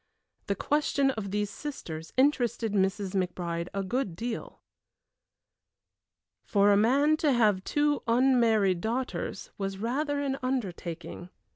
The question of these sisters interested Mrs. McBride a good deal. For a man to have two unmarried daughters was rather an undertaking.